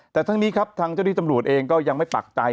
แต่ทั้งนี้ครับทางเจ้าที่ตำรวจเองก็ยังไม่ปักใจ